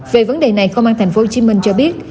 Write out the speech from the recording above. về vấn đề này công an tp hcm cho biết